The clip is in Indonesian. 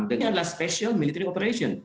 dan ini adalah special military operation